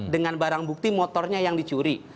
dengan barang bukti motornya yang dicuri